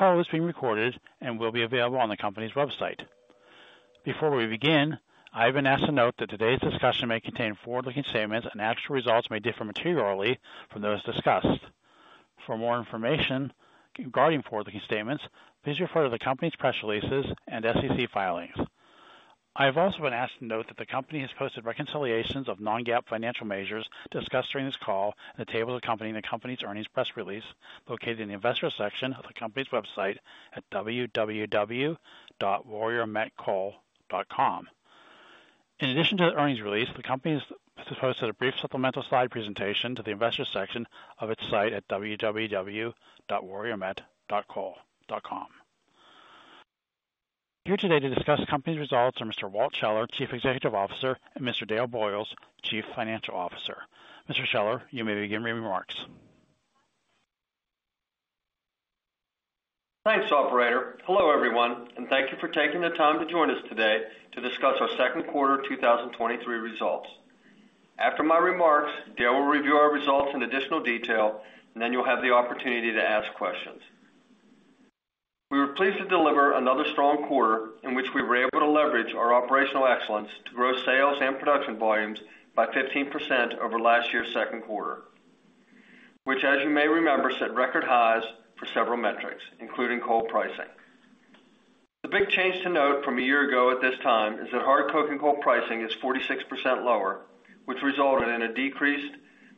This call is being recorded and will be available on the company's website. Before we begin, I have been asked to note that today's discussion may contain forward-looking statements, and actual results may differ materially from those discussed. For more information regarding forward-looking statements, please refer to the company's press releases and SEC filings. I have also been asked to note that the company has posted reconciliations of non-GAAP financial measures discussed during this call in the table accompanying the company's earnings press release, located in the Investor section of the company's website at www.warriormetcoal.com. In addition to the earnings release, the company has posted a brief supplemental slide presentation to the Investor section of its site at www.warriormetcoal.com. Here today to discuss the company's results are Mr. Walt Scheller, Chief Executive Officer, and Mr. Dale Boyles, Chief Financial Officer. Mr. Scheller, you may begin your remarks. Thanks, operator. Hello, everyone, and thank you for taking the time to join us today to discuss our second quarter of 2023 results. After my remarks, Dale will review our results in additional detail, and then you'll have the opportunity to ask questions. We were pleased to deliver another strong quarter in which we were able to leverage our operational excellence to grow sales and production volumes by 15% over last year's second quarter, which, as you may remember, set record highs for several metrics, including coal pricing. The big change to note from a year ago at this time is that hard coking coal pricing is 46% lower, which resulted in a decreased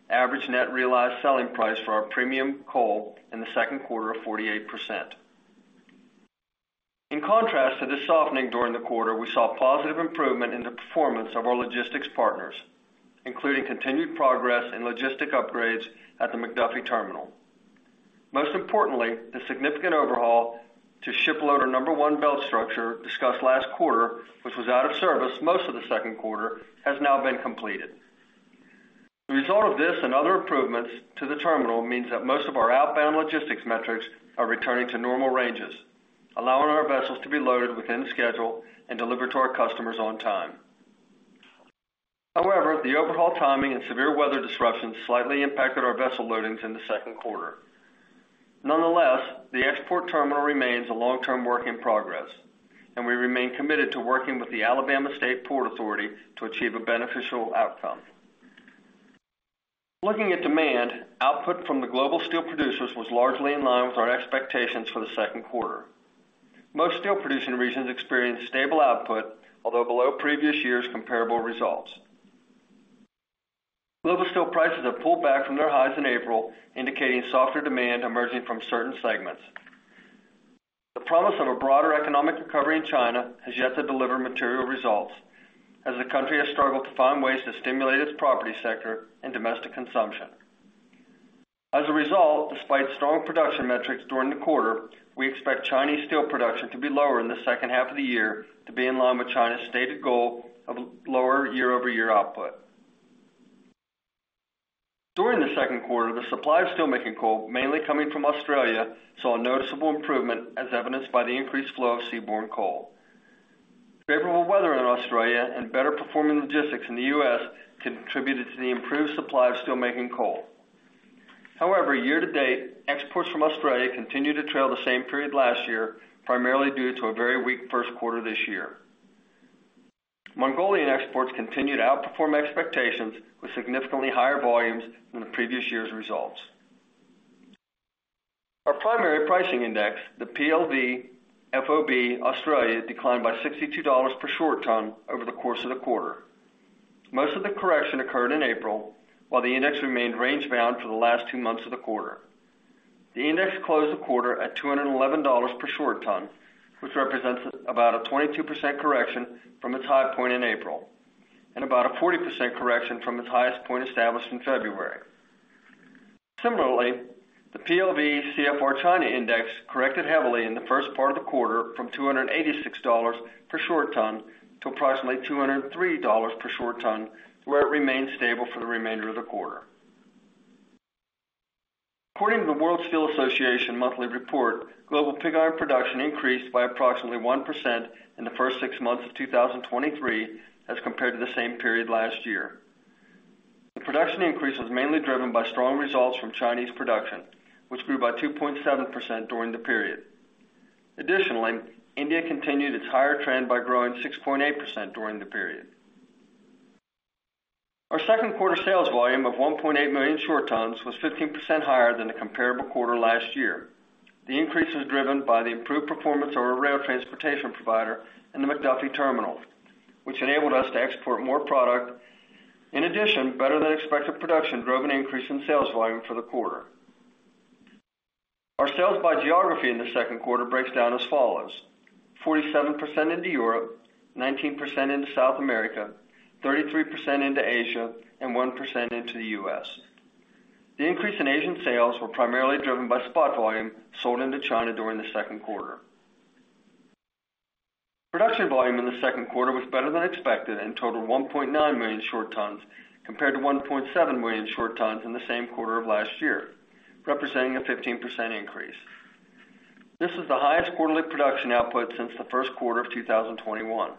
average net realized selling price for our premium coal in the second quarter of 48%. In contrast to this softening during the quarter, we saw positive improvement in the performance of our logistics partners, including continued progress in logistic upgrades at the McDuffie terminal. Most importantly, the significant overhaul to ship loader number one belt structure discussed last quarter, which was out of service most of the second quarter, has now been completed. The result of this and other improvements to the terminal means that most of our outbound logistics metrics are returning to normal ranges, allowing our vessels to be loaded within schedule and delivered to our customers on time. The overhaul timing and severe weather disruptions slightly impacted our vessel loadings in the second quarter. Nonetheless, the export terminal remains a long-term work in progress, and we remain committed to working with the Alabama State Port Authority to achieve a beneficial outcome. Looking at demand, output from the global steel producers was largely in line with our expectations for the second quarter. Most steel-producing regions experienced stable output, although below previous year's comparable results. Global steel prices have pulled back from their highs in April, indicating softer demand emerging from certain segments. The promise of a broader economic recovery in China has yet to deliver material results, as the country has struggled to find ways to stimulate its property sector and domestic consumption. As a result, despite strong production metrics during the quarter, we expect Chinese steel production to be lower in the second half of the year to be in line with China's stated goal of lower year-over-year output. During the second quarter, the supply of steelmaking coal, mainly coming from Australia, saw a noticeable improvement as evidenced by the increased flow of seaborne coal. Favorable weather in Australia and better-performing logistics in the US contributed to the improved supply of steelmaking coal. However, year-to-date, exports from Australia continue to trail the same period last year, primarily due to a very weak first quarter this year. Mongolian exports continued to outperform expectations with significantly higher volumes than the previous year's results. Our primary pricing index, the PLV FOB Australia, declined by $62 per short ton over the course of the quarter. Most of the correction occurred in April, while the index remained range-bound for the last two months of the quarter. The index closed the quarter at $211 per short ton, which represents about a 22% correction from its high point in April and about a 40% correction from its highest point established in February. Similarly, the PLV CFR China Index corrected heavily in the first part of the quarter from $286 per short ton to approximately $203 per short ton, where it remained stable for the remainder of the quarter. According to the World Steel Association monthly report, global pig iron production increased by approximately 1% in the first six months of 2023 as compared to the same period last year. The production increase was mainly driven by strong results from Chinese production, which grew by 2.7% during the period. Additionally, India continued its higher trend by growing 6.8% during the period. Our second quarter sales volume of 1.8 million short tons was 15% higher than the comparable quarter last year. The increase was driven by the improved performance of our rail transportation provider in the McDuffie terminal, which enabled us to export more product. In addition, better-than-expected production drove an increase in sales volume for the quarter. Our sales by geography in the second quarter breaks down as follows: 47% into Europe, 19% into South America, 33% into Asia, and 1% into the US. The increase in Asian sales were primarily driven by spot volume sold into China during the second quarter. Production volume in the second quarter was better than expected and totaled 1.9 million short tons, compared to 1.7 million short tons in the same quarter of last year, representing a 15% increase. This is the highest quarterly production output since the first quarter of 2021.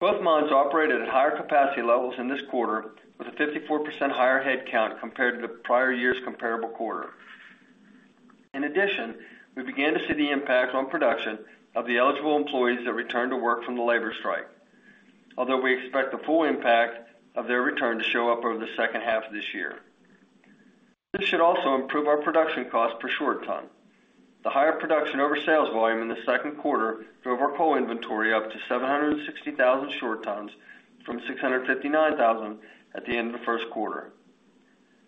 Both mines operated at higher capacity levels in this quarter, with a 54% higher headcount compared to the prior year's comparable quarter. In addition, we began to see the impact on production of the eligible employees that returned to work from the labor strike, although we expect the full impact of their return to show up over the second half of this year. This should also improve our production cost per short ton. The higher production over sales volume in the second quarter drove our coal inventory up to 760,000 short tons from 659,000 at the end of the first quarter.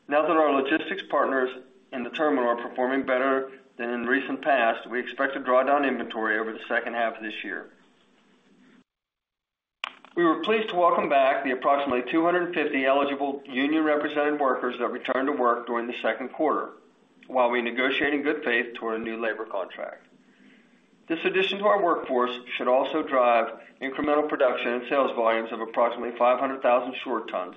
Now that our logistics partners in the terminal are performing better than in recent past, we expect to draw down inventory over the second half of this year. We were pleased to welcome back the approximately 250 eligible union-represented workers that returned to work during the second quarter, while we negotiate in good faith toward a new labor contract. This addition to our workforce should also drive incremental production and sales volumes of approximately 500,000 short tons,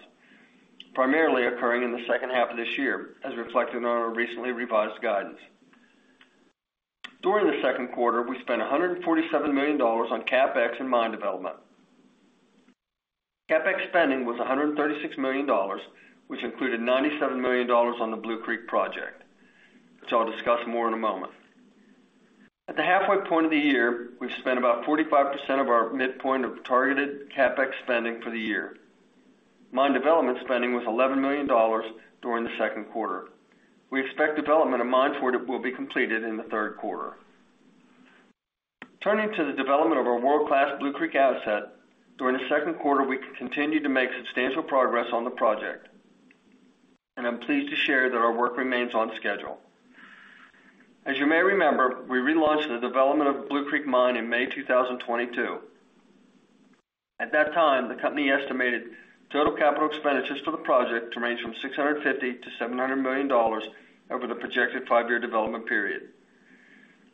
primarily occurring in the second half of this year, as reflected in our recently revised guidance. During the second quarter, we spent $147 million on CapEx and mine development. CapEx spending was $136 million, which included $97 million on the Blue Creek project, which I'll discuss more in a moment. At the halfway point of the year, we've spent about 45% of our midpoint of targeted CapEx spending for the year. Mine development spending was $11 million during the second quarter. We expect development of Mine No. 4 will be completed in the third quarter. Turning to the development of our world-class Blue Creek asset, during the second quarter, we continued to make substantial progress on the project, and I'm pleased to share that our work remains on schedule. As you may remember, we relaunched the development of Blue Creek Mine in May 2022. At that time, the company estimated total capital expenditures for the project to range from $650 million-$700 million over the projected 5-year development period.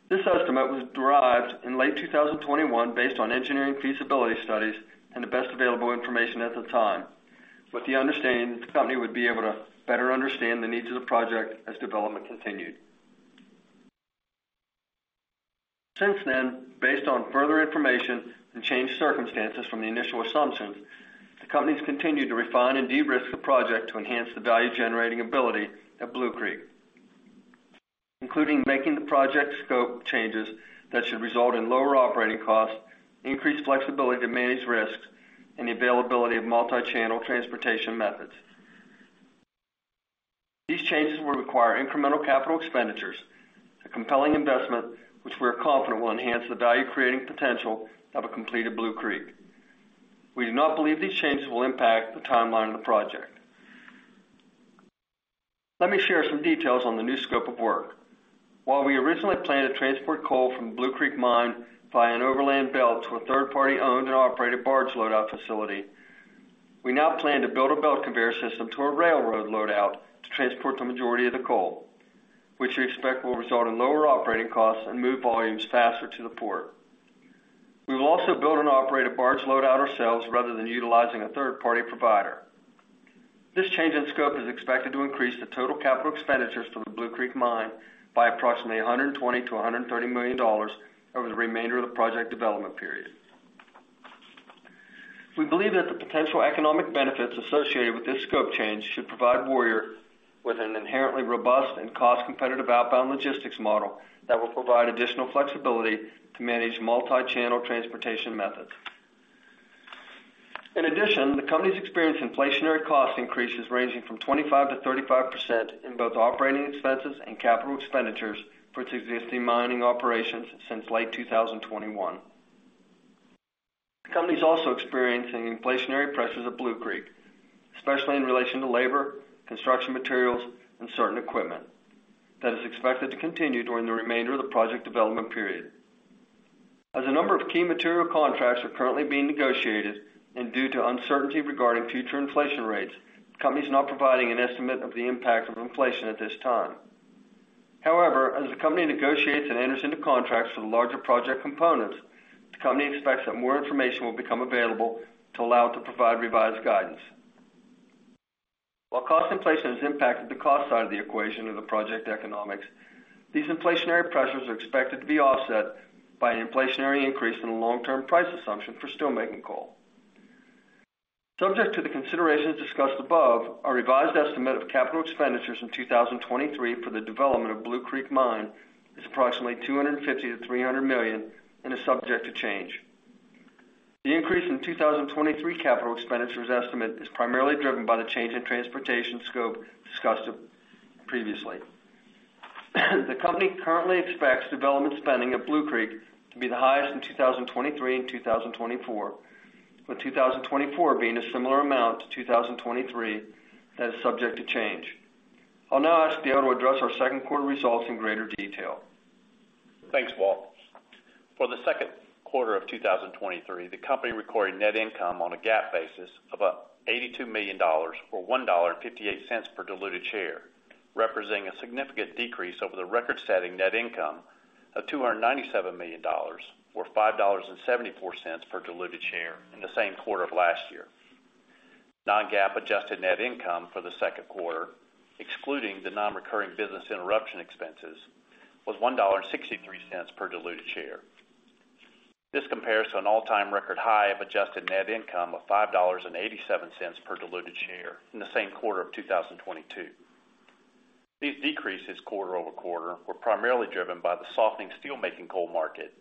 This estimate was derived in late 2021 based on engineering feasibility studies and the best available information at the time, with the understanding that the company would be able to better understand the needs of the project as development continued. Since then, based on further information and changed circumstances from the initial assumptions, the companies continued to refine and de-risk the project to enhance the value-generating ability of Blue Creek, including making the project scope changes that should result in lower operating costs, increased flexibility to manage risks, and the availability of multi-channel transportation methods. These changes will require incremental capital expenditures, a compelling investment, which we are confident will enhance the value-creating potential of a completed Blue Creek. We do not believe these changes will impact the timeline of the project. Let me share some details on the new scope of work. While we originally planned to transport coal from Blue Creek Mine by an overland belt to a third-party owned and operated barge loadout facility, we now plan to build a belt conveyor system to a railroad loadout to transport the majority of the coal, which we expect will result in lower operating costs and move volumes faster to the port. We will also build and operate a barge loadout ourselves, rather than utilizing a third-party provider. This change in scope is expected to increase the total capital expenditures for the Blue Creek Mine by approximately $120 million-$130 million over the remainder of the project development period. We believe that the potential economic benefits associated with this scope change should provide Warrior with an inherently robust and cost-competitive outbound logistics model that will provide additional flexibility to manage multi-channel transportation methods. In addition, the company's experienced inflationary cost increases ranging from 25%-35% in both operating expenses and capital expenditures for its existing mining operations since late 2021. The company is also experiencing inflationary pressures at Blue Creek, especially in relation to labor, construction materials, and certain equipment. That is expected to continue during the remainder of the project development period. As a number of key material contracts are currently being negotiated, and due to uncertainty regarding future inflation rates, the company is not providing an estimate of the impact of inflation at this time. However, as the company negotiates and enters into contracts for the larger project components, the company expects that more information will become available to allow it to provide revised guidance. While cost inflation has impacted the cost side of the equation of the project economics, these inflationary pressures are expected to be offset by an inflationary increase in the long-term price assumption for steelmaking coal. Subject to the considerations discussed above, our revised estimate of capital expenditures in 2023 for the development of Blue Creek Mine is approximately $250 million-$300 million and is subject to change. The increase in 2023 capital expenditures estimate is primarily driven by the change in transportation scope discussed previously. The company currently expects development spending at Blue Creek to be the highest in 2023 and 2024, with 2024 being a similar amount to 2023, and is subject to change. I'll now ask Dale to address our second quarter results in greater detail. Thanks, Walt. For the second quarter of 2023, the company recorded net income on a GAAP basis of about $82 million, or $1.58 per diluted share, representing a significant decrease over the record-setting net income of $297 million, or $5.74 per diluted share in the same quarter of last year. Non-GAAP adjusted net income for the second quarter, excluding the non-recurring business interruption expenses, was $1.63 per diluted share. This compares to an all-time record high of adjusted net income of $5.87 per diluted share in the same quarter of 2022. These decreases quarter-over-quarter were primarily driven by the softening steelmaking coal market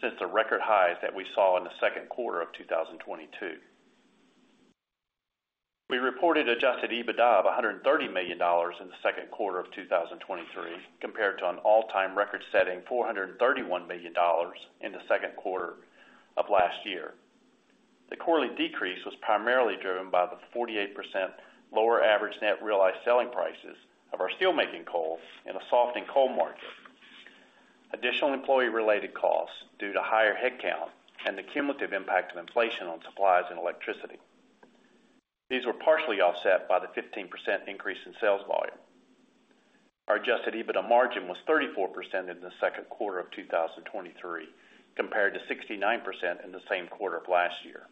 since the record highs that we saw in the second quarter of 2022. We reported adjusted EBITDA of $130 million in the second quarter of 2023, compared to an all-time record-setting $431 million in the second quarter of last year. The quarterly decrease was primarily driven by the 48% lower average net realized selling prices of our steelmaking coal in a softening coal market. Additional employee-related costs due to higher headcount and the cumulative impact of inflation on supplies and electricity. These were partially offset by the 15% increase in sales volume. Our adjusted EBITDA margin was 34% in the second quarter of 2023, compared to 69% in the same quarter of last year.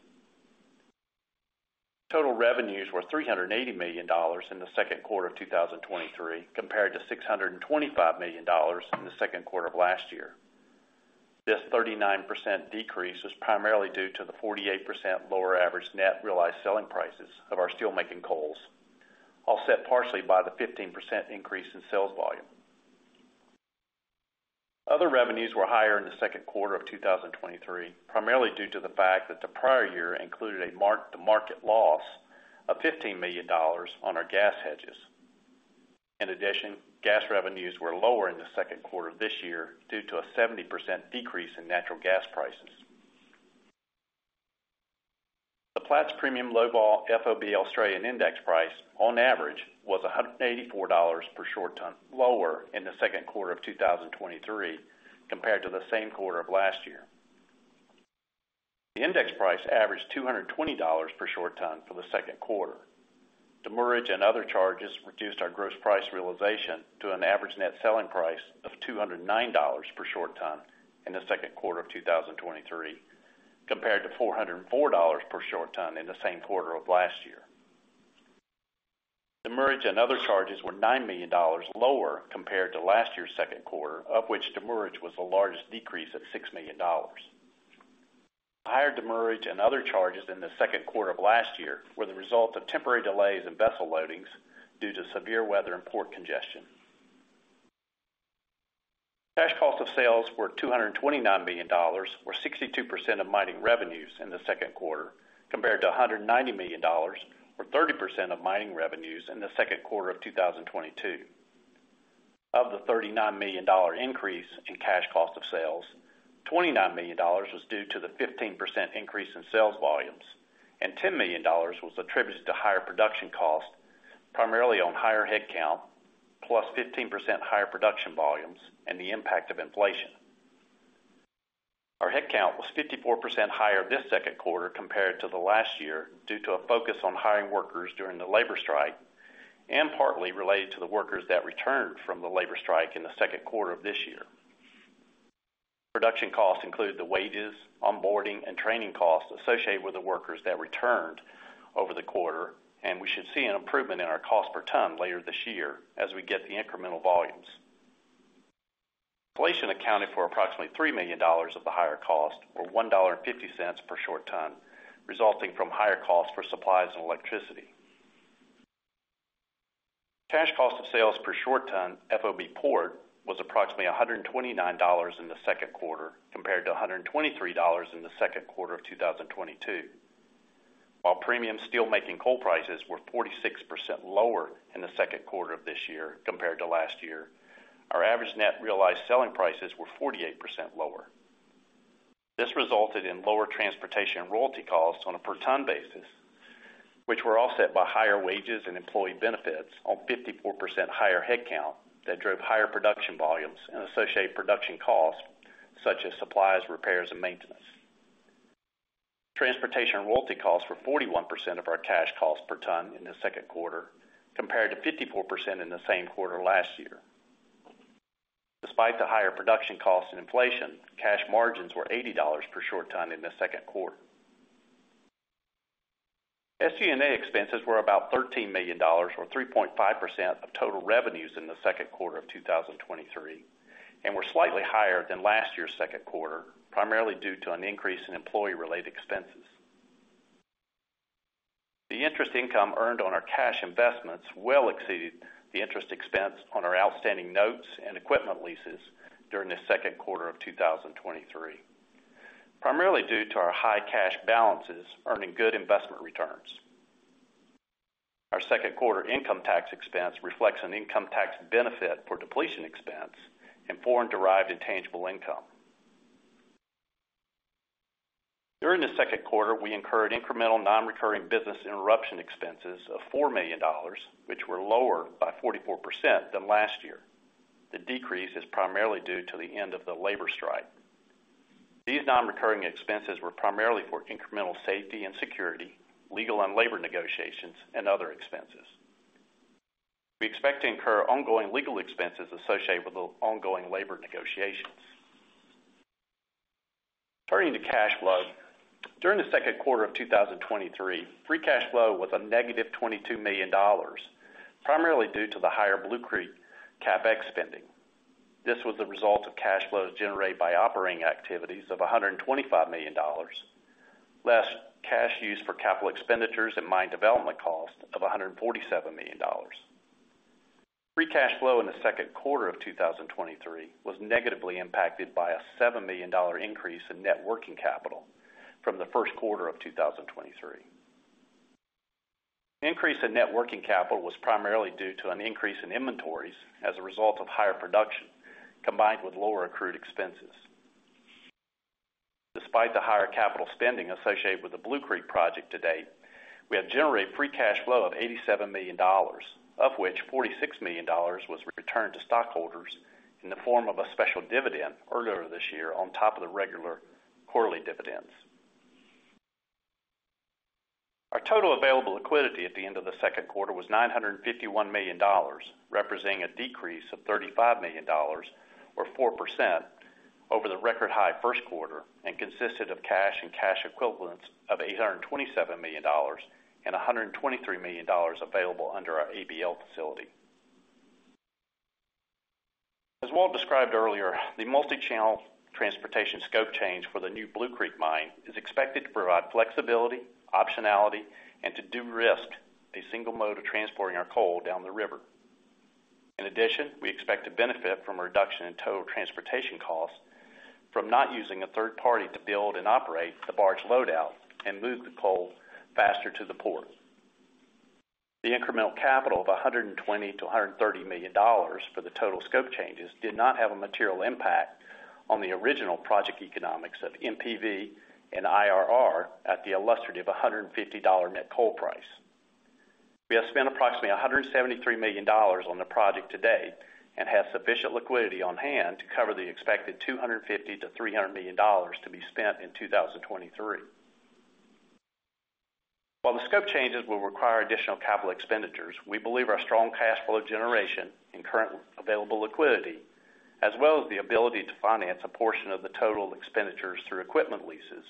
Total revenues were $380 million in the second quarter of 2023, compared to $625 million in the second quarter of last year. This 39% decrease was primarily due to the 48% lower average net realized selling prices of our steelmaking coals, offset partially by the 15% increase in sales volume. Other revenues were higher in the second quarter of 2023, primarily due to the fact that the prior year included a mark-to-market loss of $15 million on our gas hedges. In addition, gas revenues were lower in the second quarter this year due to a 70% decrease in natural gas prices. The Platts Premium Low Vol FOB Australia price, on average, was $184 per short ton, lower in the second quarter of 2023 compared to the same quarter of last year. The index price averaged $220 per short ton for the second quarter. Demurrage and other charges reduced our gross price realization to an average net selling price of $209 per short ton in the second quarter of 2023, compared to $404 per short ton in the same quarter of last year. Demurrage and other charges were $90 million lower compared to last year's second quarter, of which demurrage was the largest decrease of $60 million. Higher demurrage and other charges in the second quarter of last year were the result of temporary delays in vessel loadings due to severe weather and port congestion. Cash cost of sales were $229 million, or 62% of mining revenues in the second quarter, compared to $190 million, or 30% of mining revenues in the second quarter of 2022. Of the $39 million increase in cash cost of sales, $29 million was due to the 15% increase in sales volumes, and $10 million was attributed to higher production costs, primarily on higher headcount, plus 15% higher production volumes and the impact of inflation. Our headcount was 54% higher this second quarter compared to the last year, due to a focus on hiring workers during the labor strike and partly related to the workers that returned from the labor strike in the second quarter of this year. Production costs include the wages, onboarding, and training costs associated with the workers that returned over the quarter, and we should see an improvement in our cost per ton later this year as we get the incremental volumes. Inflation accounted for approximately $3 million of the higher cost, or $1.50 per short ton, resulting from higher costs for supplies and electricity. Cash cost of sales per short ton, FOB port, was approximately $129 in the second quarter, compared to $123 in the second quarter of 2022. While premium steelmaking coal prices were 46% lower in the second quarter of this year compared to last year, our average net realized selling prices were 48% lower. This resulted in lower transportation and royalty costs on a per ton basis, which were offset by higher wages and employee benefits on 54% higher headcount that drove higher production volumes and associated production costs, such as supplies, repairs, and maintenance. Transportation and royalty costs were 41% of our cash costs per ton in the second quarter, compared to 54% in the same quarter last year. Despite the higher production costs and inflation, cash margins were $80 per short ton in the second quarter. SG&A expenses were about $13 million, or 3.5% of total revenues in the second quarter of 2023, and were slightly higher than last year's second quarter, primarily due to an increase in employee-related expenses. The interest income earned on our cash investments well exceeded the interest expense on our outstanding notes and equipment leases during the second quarter of 2023, primarily due to our high cash balances earning good investment returns. Our second quarter income tax expense reflects an income tax benefit for depletion expense and foreign-derived intangible income. During the second quarter, we incurred incremental non-recurring business interruption expenses of $4 million, which were lower by 44% than last year. The decrease is primarily due to the end of the labor strike. These non-recurring expenses were primarily for incremental safety and security, legal and labor negotiations, and other expenses. We expect to incur ongoing legal expenses associated with the ongoing labor negotiations. Turning to cash flow. During the second quarter of 2023, free cash flow was a negative $22 million, primarily due to the higher Blue Creek CapEx spending. This was the result of cash flows generated by operating activities of $125 million, less cash used for capital expenditures and mine development cost of $147 million. Free cash flow in the second quarter of 2023 was negatively impacted by a $7 million increase in net working capital from the first quarter of 2023. Increase in net working capital was primarily due to an increase in inventories as a result of higher production, combined with lower accrued expenses. Despite the higher capital spending associated with the Blue Creek project to date, we have generated free cash flow of $87 million, of which $46 million was returned to stockholders in the form of a special dividend earlier this year on top of the regular quarterly dividends. Our total available liquidity at the end of the second quarter was $951 million, representing a decrease of $35 million or 4% over the record high first quarter, consisted of cash and cash equivalents of $827 million and $123 million available under our ABL facility. As Walt described earlier, the multi-channel transportation scope change for the new Blue Creek Mine is expected to provide flexibility, optionality, and to de-risk the single mode of transporting our coal down the river. We expect to benefit from a reduction in total transportation costs from not using a third party to build and operate the barge loadout and move the coal faster to the port. The incremental capital of $120 million-$130 million for the total scope changes did not have a material impact on the original project economics of NPV and IRR at the illustrative $150 net coal price. We have spent approximately $173 million on the project to date and have sufficient liquidity on hand to cover the expected $250 million-$300 million to be spent in 2023. While the scope changes will require additional capital expenditures, we believe our strong cash flow generation and current available liquidity, as well as the ability to finance a portion of the total expenditures through equipment leases,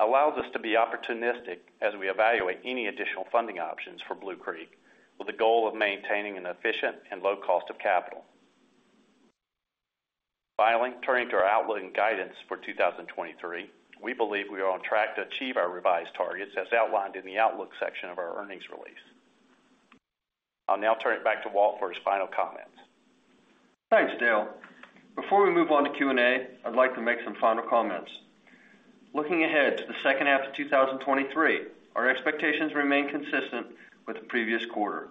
allows us to be opportunistic as we evaluate any additional funding options for Blue Creek, with the goal of maintaining an efficient and low cost of capital. Finally, turning to our outlook and guidance for 2023, we believe we are on track to achieve our revised targets as outlined in the outlook section of our earnings release. I'll now turn it back to Walt for his final comments. Thanks, Dale. Before we move on to Q&A, I'd like to make some final comments. Looking ahead to the second half of 2023, our expectations remain consistent with the previous quarter.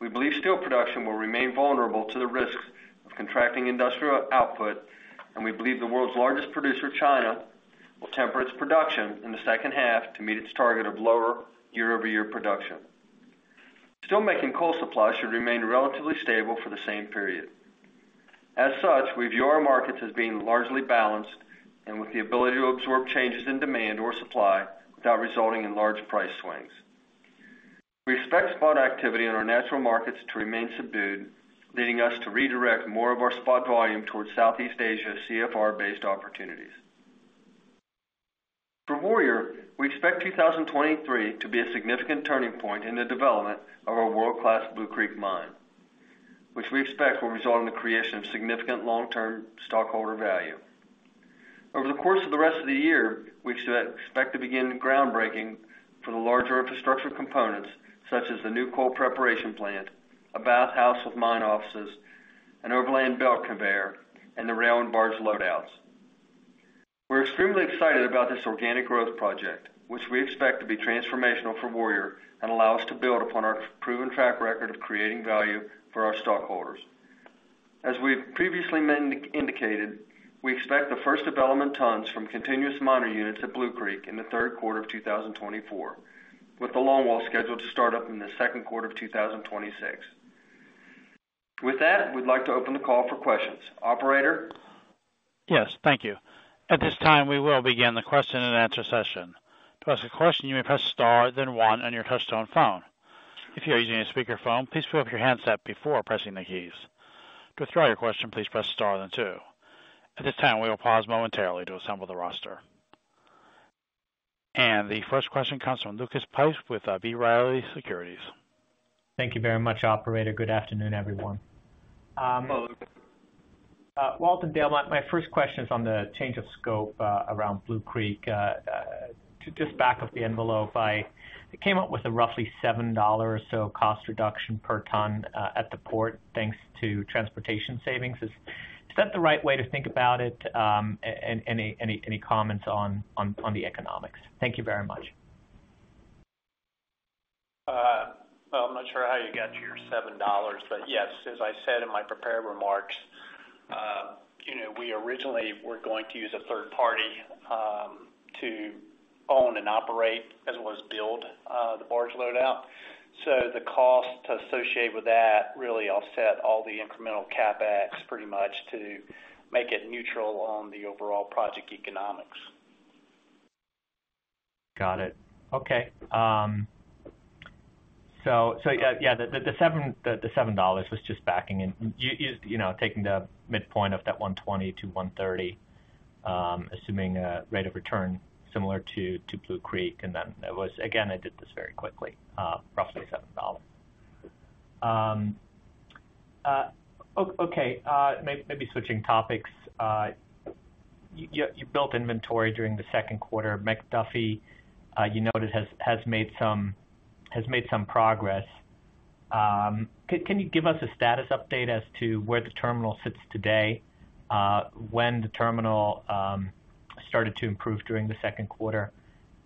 We believe steel production will remain vulnerable to the risks of contracting industrial output, and we believe the world's largest producer, China, will temper its production in the second half to meet its target of lower year-over-year production. Steelmaking coal supply should remain relatively stable for the same period. As such, we view our markets as being largely balanced and with the ability to absorb changes in demand or supply without resulting in large price swings. We expect spot activity in our natural markets to remain subdued, leading us to redirect more of our spot volume towards Southeast Asia CFR-based opportunities. For Warrior, we expect 2023 to be a significant turning point in the development of our world-class Blue Creek Mine, which we expect will result in the creation of significant long-term stockholder value. Over the course of the rest of the year, we should expect to begin groundbreaking for the larger infrastructure components, such as the new coal preparation plant, a bathhouse with mine offices, an overland belt conveyor, and the rail and barge loadouts. We're extremely excited about this organic growth project, which we expect to be transformational for Warrior and allow us to build upon our proven track record of creating value for our stockholders. As we've previously indicated, we expect the first development tons from continuous miner units at Blue Creek in the third quarter of 2024, with the longwall scheduled to start up in the second quarter of 2026. With that, we'd like to open the call for questions. Operator? Yes, thank you. At this time, we will begin the question and answer session. To ask a question, you may press star, then one on your touchtone phone. If you are using a speakerphone, please pull up your handset before pressing the keys. To withdraw your question, please press star, then two. At this time, we will pause momentarily to assemble the roster. The first question comes from Lucas Pipes with B. Riley Securities. Thank you very much, operator. Good afternoon, everyone. Hello. Walt and Dale, my first question is on the change of scope around Blue Creek. To just back of the envelope, I came up with a roughly $7 or so cost reduction per ton at the port, thanks to transportation savings. Is that the right way to think about it? Any comments on the economics? Thank you very much. Well, I'm not sure how you got to your $7. Yes, as I said in my prepared remarks, you know, we originally were going to use a third party to own and operate as well as build the barge loadout. The cost associated with that really offset all the incremental CapEx pretty much to make it neutral on the overall project economics. Got it. Okay. Yeah, the 7, the $7 was just backing in. You know, taking the midpoint of that 120 to 130, assuming a rate of return similar to Blue Creek, and then it was again, I did this very quickly, roughly $7. Okay, maybe switching topics. You built inventory during the second quarter of McDuffie. You noted has made some progress. Can you give us a status update as to where the terminal sits today, when the terminal started to improve during the second quarter,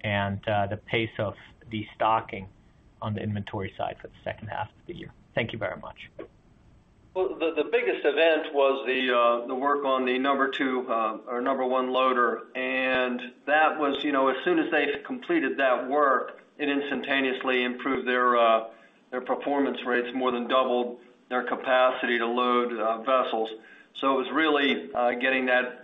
and the pace of destocking on the inventory side for the second half of the year? Thank you very much. Well, the, the biggest event was the work on the number two or number one loader, and that was, you know, as soon as they completed that work, it instantaneously improved their performance rates, more than doubled their capacity to load vessels. It was really getting that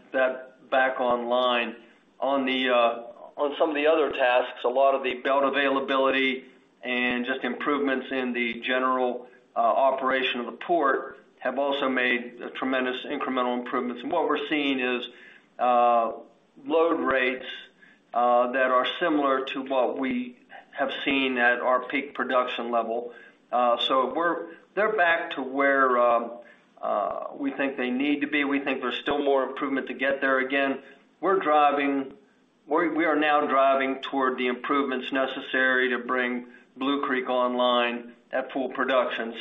back online. On the on some of the other tasks, a lot of the belt availability and just improvements in the general operation of the port have also made tremendous incremental improvements. What we're seeing is load rates that are similar to what we have seen at our peak production level They're back to where we think they need to be. We think there's still more improvement to get there. We are now driving toward the improvements necessary to bring Blue Creek online at full production.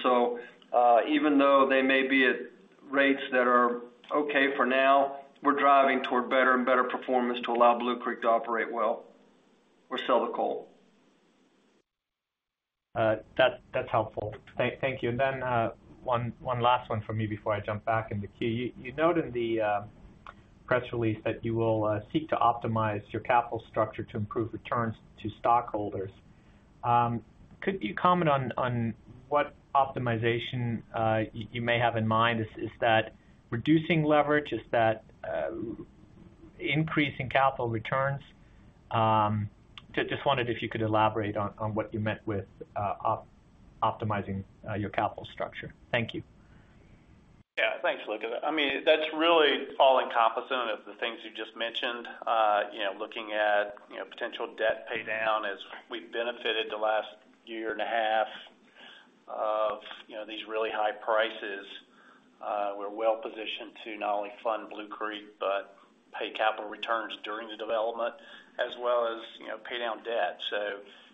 Even though they may be at rates that are okay for now, we're driving toward better and better performance to allow Blue Creek to operate well or sell the coal. That, that's helpful. Thank, thank you. And then, one, one last one for me before I jump back in the queue. You, you noted the press release that you will seek to optimize your capital structure to improve returns to stockholders. Could you comment on, on what optimization you, you may have in mind? Is, is that reducing leverage? Is that increasing capital returns? Just, just wondered if you could elaborate on, on what you meant with optimizing your capital structure. Thank you. Yeah, thanks, Luca. I mean, that's really all-encompassing of the things you just mentioned. You know, looking at, you know, potential debt paydown as we've benefited the last year and a half of, you know, these really high prices. We're well positioned to not only fund Blue Creek, but pay capital returns during the development as well as, you know, pay down debt.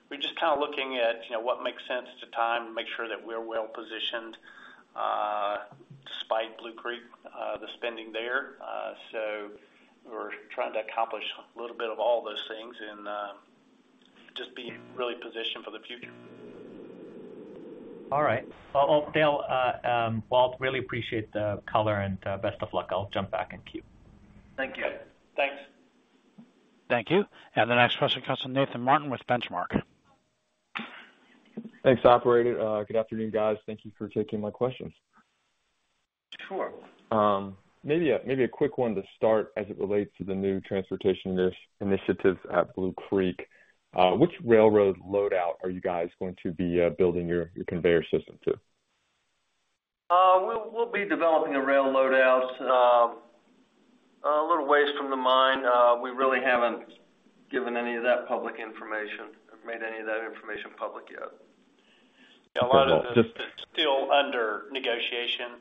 We're just kind of looking at, you know, what makes sense at the time and make sure that we're well positioned, despite Blue Creek, the spending there. We're trying to accomplish a little bit of all those things and, just be really positioned for the future. All right. Well, Dale, really appreciate the color and best of luck. I'll jump back in queue. Thank you. Thanks. Thank you. The next question comes from Nathan Martin with Benchmark. Thanks, operator. Good afternoon, guys. Thank you for taking my questions. Sure. Maybe a quick one to start as it relates to the new transportation initiatives at Blue Creek. Which railroad loadout are you guys going to be, building your, your conveyor system to? We'll, we'll be developing a rail loadout, a little ways from the mine. We really haven't given any of that public information or made any of that information public yet. Okay. A lot of it is still under negotiation,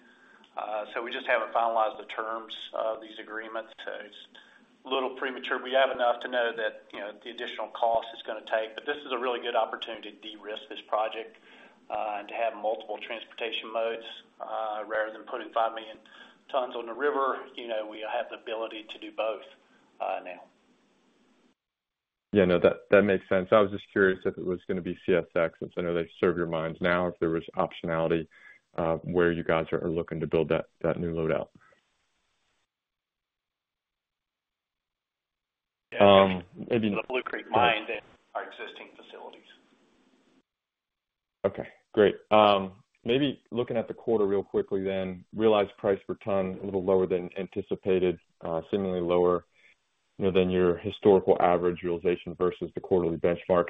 so we just haven't finalized the terms of these agreements, so it's a little premature. We have enough to know that, you know, the additional cost it's gonna take, but this is a really good opportunity to de-risk this project, and to have multiple transportation modes, rather than putting 5 million tons on the river, you know, we have the ability to do both, now. Yeah, no, that, that makes sense. I was just curious if it was gonna be CSX, since I know they serve your mines now, if there was optionality, where you guys are, are looking to build that, that new loadout. maybe... The Blue Creek Mine and our existing facilities. Okay, great. Maybe looking at the quarter real quickly, then, realized price per ton, a little lower than anticipated, seemingly lower, you know, than your historical average realization versus the quarterly benchmark.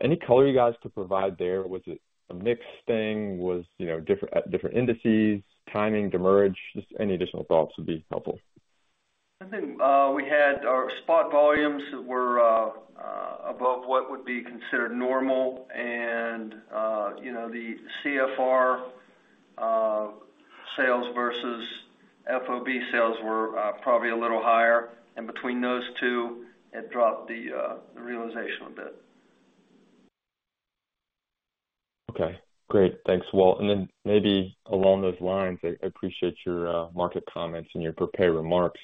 Any color you guys could provide there? Was it a mix thing? Was, you know, different indices, timing, demurrage? Just any additional thoughts would be helpful. I think we had our spot volumes that were above what would be considered normal. You know, the CFR sales versus FOB sales were probably a little higher, and between those two, it dropped the realization a bit. Okay, great. Thanks, Walt. Then maybe along those lines, I, I appreciate your market comments and your prepared remarks.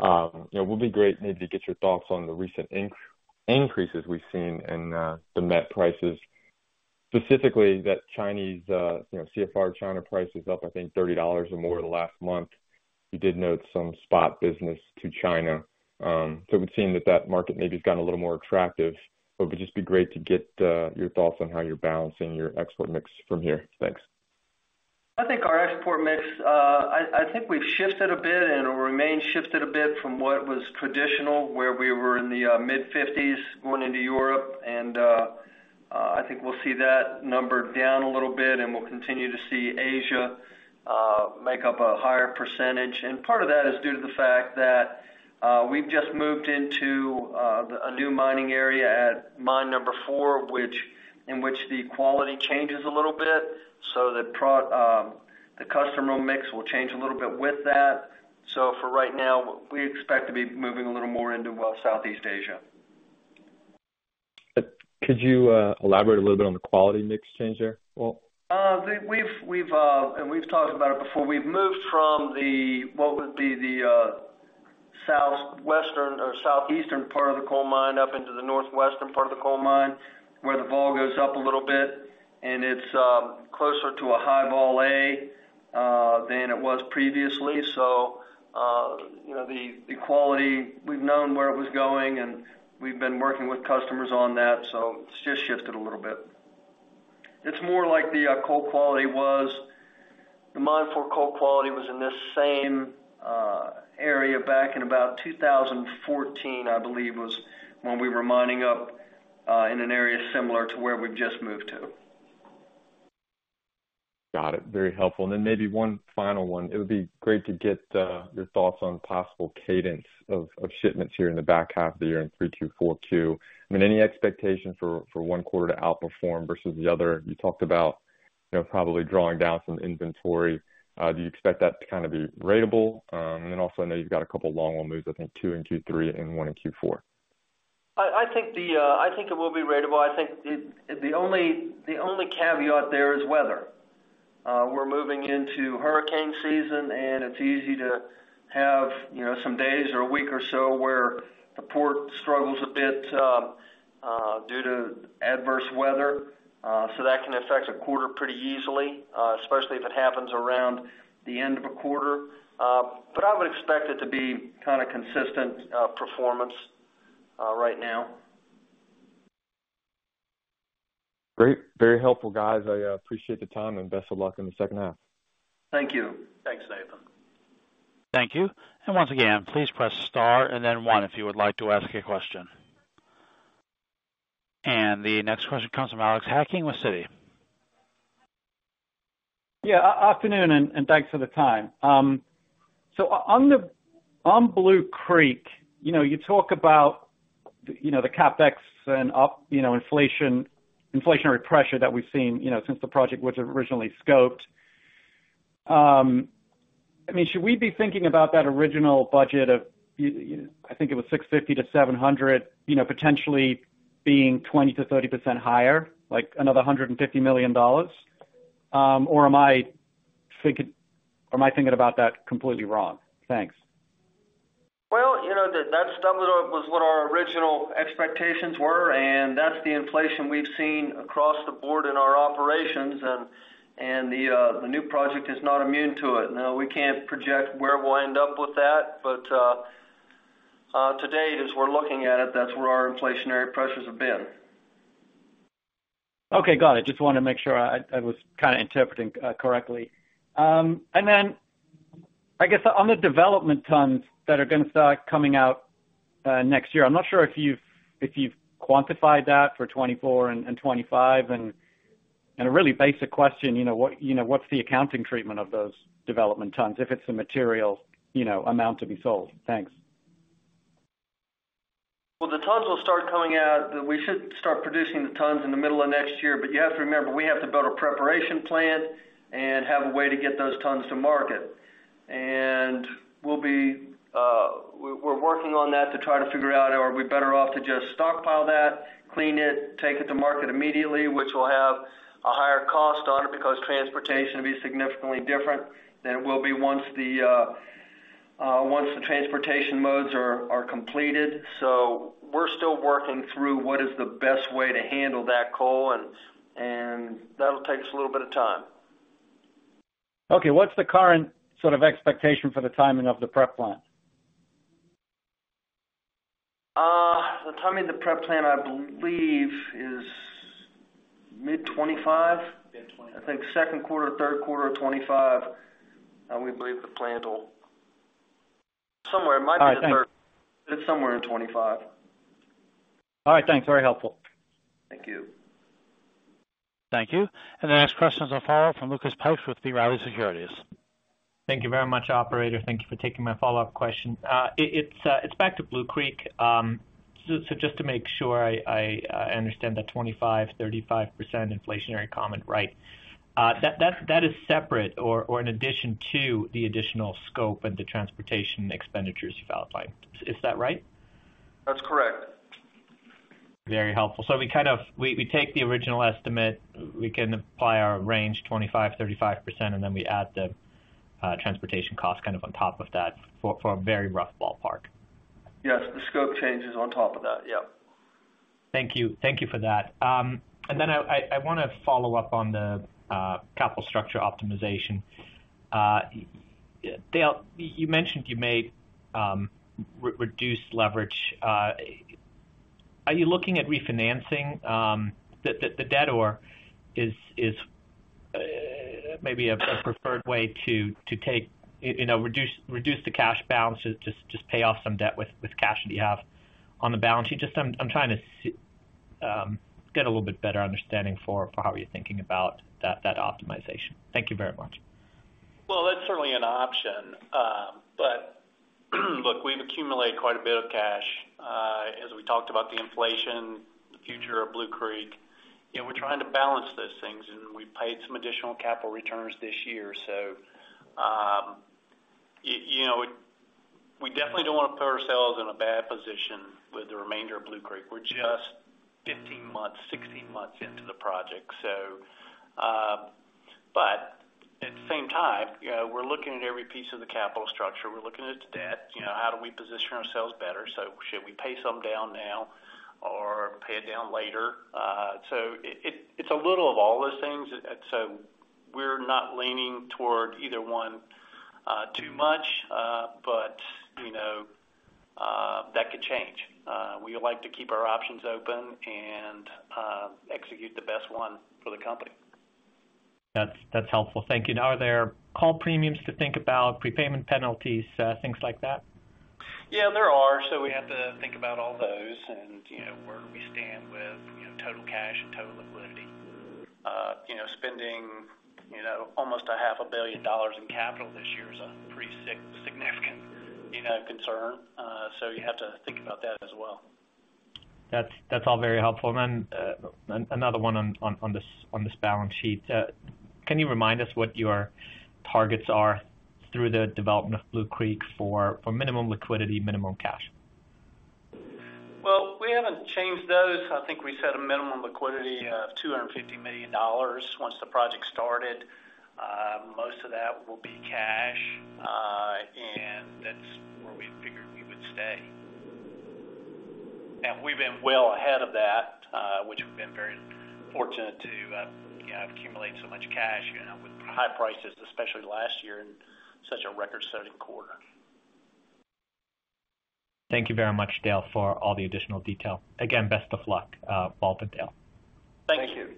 You know, it would be great maybe to get your thoughts on the recent increases we've seen in the met prices. Specifically, that Chinese, you know, CFR China price is up, I think, $30 or more in the last month. You did note some spot business to China. So we've seen that, that market maybe has gotten a little more attractive, but it would just be great to get your thoughts on how you're balancing your export mix from here. Thanks.... I think our export mix, I, I think we've shifted a bit and it will remain shifted a bit from what was traditional, where we were in the mid-50s going into Europe. I think we'll see that number down a little bit, and we'll continue to see Asia make up a higher percentage. Part of that is due to the fact that we've just moved into a new mining area at Mine No. 4, in which the quality changes a little bit, so the customer mix will change a little bit with that. For right now, we expect to be moving a little more into, well, Southeast Asia. Could you elaborate a little bit on the quality mix change there, Walt? We've, we've, and we've talked about it before. We've moved from the, what would be the southwestern or southeastern part of the coal mine up into the northwestern part of the coal mine, where the vol goes up a little bit, and it's closer to a High Vol A than it was previously. You know, the quality, we've known where it was going, and we've been working with customers on that, so it's just shifted a little bit. It's more like the coal quality was... The Mine No. 4 coal quality was in this same area back in about 2014, I believe, was when we were mining up in an area similar to where we've just moved to. Got it. Very helpful. Maybe one final one. It would be great to get your thoughts on possible cadence of shipments here in the back half of the year in 3 2 4 2. I mean, any expectation for 1 quarter to outperform versus the other? You talked about, you know, probably drawing down some inventory. Do you expect that to kind of be ratable? Also, I know you've got a couple of long-haul moves, I think 2 in Q3 and 1 in Q4. I, I think the, I think it will be ratable. I think the, the only, the only caveat there is weather. We're moving into hurricane season, and it's easy to have, you know, some days or a week or so where the port struggles a bit due to adverse weather. That can affect a quarter pretty easily, especially if it happens around the end of a quarter. I would expect it to be kind of consistent performance right now. Great. Very helpful, guys. I appreciate the time. Best of luck in the second half. Thank you. Thanks, Nathan. Thank you. Once again, please press star and then 1, if you would like to ask a question. The next question comes from Alex Hacking with Citi. Yeah, afternoon, and thanks for the time. On Blue Creek, you know, you talk about, you know, the CapEx and up, you know, inflationary pressure that we've seen, you know, since the project was originally scoped. I mean, should we be thinking about that original budget of, you know, I think it was $650 million-$700 million, you know, potentially being 20%-30% higher, like another $150 million? Or am I thinking about that completely wrong? Thanks. Well, you know, that, that number was what our original expectations were, and that's the inflation we've seen across the board in our operations, and, and the new project is not immune to it. Now, we can't project where we'll end up with that, but, to date, as we're looking at it, that's where our inflationary pressures have been. Okay, got it. Just wanted to make sure I, I was kind of interpreting correctly. Then, I guess on the development tons that are going to start coming out next year, I'm not sure if you've, if you've quantified that for 2024 and 2025. A really basic question, you know, what, you know, what's the accounting treatment of those development tons, if it's a material, you know, amount to be sold? Thanks. Well, the tons will start coming out. We should start producing the tons in the middle of next year, but you have to remember, we have to build a preparation plant and have a way to get those tons to market. We'll be, we're, we're working on that to try to figure out, are we better off to just stockpile that, clean it, take it to market immediately, which will have a higher cost on it, because transportation will be significantly different than it will be once the once the transportation modes are, are completed. We're still working through what is the best way to handle that coal, and, and that'll take us a little bit of time. Okay. What's the current sort of expectation for the timing of the prep plant? The timing of the prep plant, I believe, is mid-2025. I think second quarter, third quarter of 2025, we believe the plant will... Somewhere, it might be the third- All right, thanks. It's somewhere in 2025. All right, thanks. Very helpful. Thank you. Thank you. The next question is a follow-up from Lucas Pipes with B. Riley Securities. Thank you very much, operator. Thank you for taking my follow-up question. It's back to Blue Creek. Just to make sure I understand the 25%-35% inflationary comment, right? That is separate or in addition to the additional scope and the transportation expenditures you outlined. Is that right? That's correct. Very helpful. We, we take the original estimate, we can apply our range 25%-35%, and then we add the transportation cost kind of on top of that for, for a very rough ballpark. Yes, the scope change is on top of that. Yep. Thank you. Thank you for that. I, I, I want to follow up on the capital structure optimization. Dale, you, you mentioned you made reduce leverage. Are you looking at refinancing the, the, the debt, or is, is maybe a, a preferred way to, to take, you know, reduce, reduce the cash balances, just, just pay off some debt with, with cash that you have on the balance sheet? Just I'm, I'm trying to see get a little bit better understanding for, for how you're thinking about that, that optimization. Thank you very much. Well, that's certainly an option. Look, we've accumulated quite a bit of cash. As we talked about the inflation, the future of Blue Creek, you know, we're trying to balance those things, and we paid some additional capital returns this year. You know, we definitely don't want to put ourselves in a bad position with the remainder of Blue Creek. We're just 15 months, 16 months into the project. At the same time, you know, we're looking at every piece of the capital structure. We're looking at debt, you know, how do we position ourselves better? Should we pay some down now or pay it down later? It's a little of all those things. We're not leaning toward either one, too much, you know, that could change. We like to keep our options open and execute the best one for the company. That's, that's helpful. Thank you. Now, are there call premiums to think about, prepayment penalties, things like that? Yeah, there are. We have to think about all those and, you know, where we stand with, you know, total cash and total liquidity. You know, spending, you know, almost $500 million in capital this year is a pretty significant, you know, concern. You have to think about that as well. That's, that's all very helpful. Another one on, on, on this, on this balance sheet. Can you remind us what your targets are through the development of Blue Creek for, for minimum liquidity, minimum cash? Well, we haven't changed those. I think we set a minimum liquidity of $250 million once the project started. Most of that will be cash, and that's where we figured we would stay. We've been well ahead of that, which we've been very fortunate to, you know, accumulate so much cash, you know, with high prices, especially last year in such a record-setting quarter. Thank you very much, Dale, for all the additional detail. Again, best of luck, Walt, Dale. Thank you.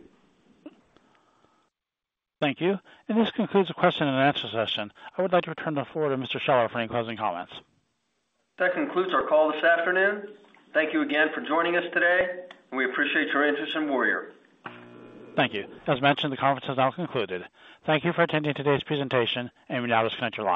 Thank you. This concludes the question and answer session. I would like to return the floor to Mr. Scheller for any closing comments. That concludes our call this afternoon. Thank you again for joining us today. We appreciate your interest in Warrior. Thank you. As mentioned, the conference has now concluded. Thank you for attending today's presentation. You may now disconnect your line.